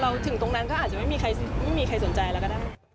เราถึงตรงนั้นก็อาจจะไม่มีใครสนใจแล้วก็ได้